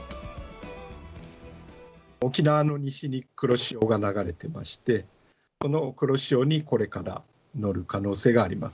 沖縄の西に黒潮が流れてまして、この黒潮にこれから乗る可能性があります。